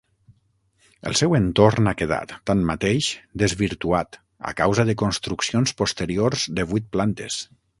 El seu entorn ha quedat, tanmateix, desvirtuat a causa de construccions posteriors de vuit plantes.